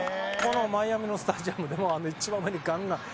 マイアミのスタジアムでも一番上にガンガン。